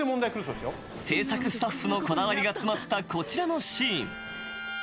［制作スタッフのこだわりが詰まったこちらのシーン］